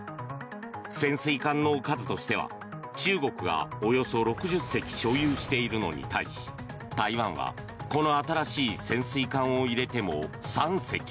潜水艦の数としては中国がおよそ６０隻所有しているのに対し台湾は、この新しい潜水艦を入れても３隻。